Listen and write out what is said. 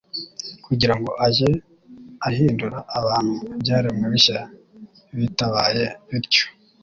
kugira ngo ajye ahindura abantu ibyaremwe bishya bitabaye bityo,